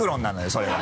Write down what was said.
それは。